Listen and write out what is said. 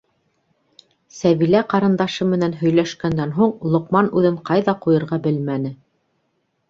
Сәбилә ҡарындашы менән һөйләшкәндән һуң Лоҡман үҙен ҡайҙа ҡуйырға белмәне.